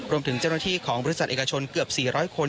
รวมถึงเจ้าหน้าที่ของบริษัทเอกชนเกือบ๔๐๐คน